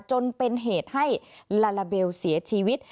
จนเป็นเหตุให้ลาลาเบลเสียชีวิต